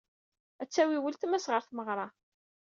Ad d-tawey weltma-s ɣer tmeɣra.